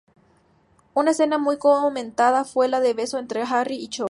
Una escena muy comentada fue la del beso entre Harry y Cho.